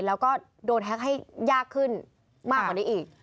แล้วก็โดนแฮ็กให้ยากขึ้นมากกว่านี้อีก